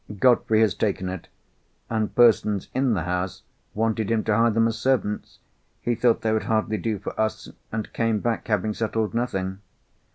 Godfrey has taken it; and persons in the house wanted him to hire them as servants. He thought they would hardly do for us, and came back having settled nothing."